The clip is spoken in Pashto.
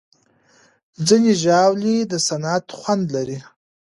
ځینې ژاولې د نعناع خوند لري.